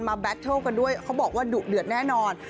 แบตเทิลกันด้วยเขาบอกว่าดุเดือดแน่นอน